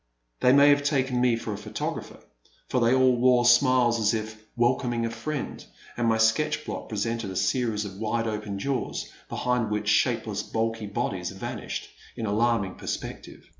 They may have taken me for a photographer, for they all wore smiles as if '* welcoming a friend, and my sketch block presented a series of wide open jaws, behind which shapeless bulky bodies vanished in alarming perspective.